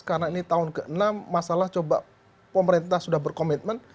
karena ini tahun ke enam masalah coba pemerintah sudah berkomitmen